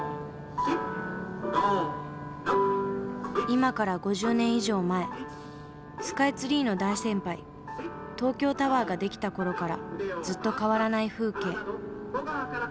今から５０年以上前スカイツリーの大先輩東京タワーが出来た頃からずっと変わらない風景。